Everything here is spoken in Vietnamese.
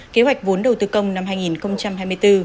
kế hoạch vốn đầu tư công năm hai nghìn hai mươi bốn